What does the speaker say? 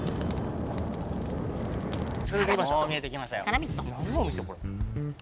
もう見えてきましたよ